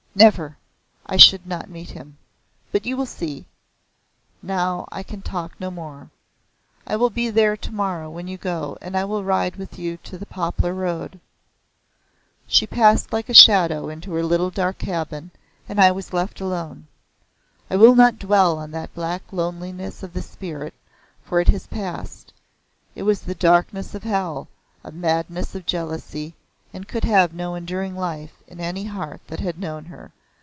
"Never. I should not meet him. But you will see. Now I can talk no more. I will be there tomorrow when you go, and I will ride with you to the poplar road." She passed like a shadow into her little dark cabin, and I was left alone. I will not dwell on that black loneliness of the spirit, for it has passed it was the darkness of hell, a madness of jealousy, and could have no enduring life in any heart that had known her.